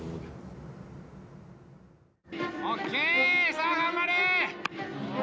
さあ頑張れ！